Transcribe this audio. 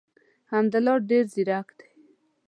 حمدالله ډېر زیرک دی.